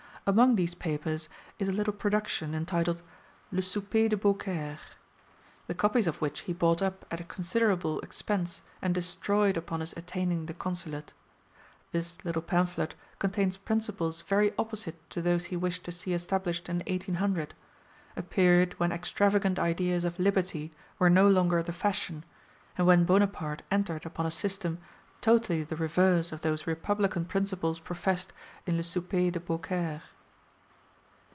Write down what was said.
Among these papers is a little production, entitled 'Le Souper de Beaucaire', the copies of which he bought up at considerable expense, and destroyed upon his attaining the Consulate. This little pamphlet contains principles very opposite to those he wished to see established in 1800, a period when extravagant ideas of liberty were no longer the fashion, and when Bonaparte entered upon a system totally the reverse of those republican principles professed in 'Le Souper de Beaucaire.